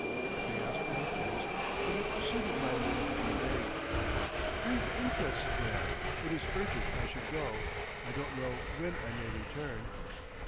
They asked questions, but it suited my mood to be vague. "We've interests there. It is urgent I should go. I don't know when I may return."